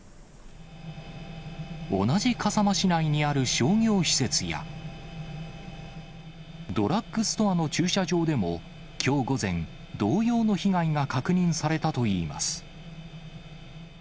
同じ笠間市内にある商業施設や、ドラッグストアの駐車場でも、きょう午前、同様の被害が確認されたといいます。